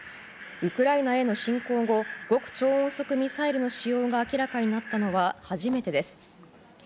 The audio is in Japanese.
ウクライナへの侵攻後極超音速ミサイルの使用が明らかになったのは初めてです。